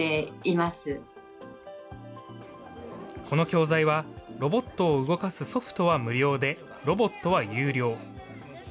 この教材は、ロボットを動かすソフトは無料で、ロボットは有料。